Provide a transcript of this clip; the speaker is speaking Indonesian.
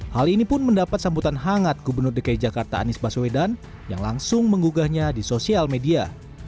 hal ini pun mendapat sambutan hangat gubernur dki jakarta anies baswedan yang langsung menggugahnya di sosial media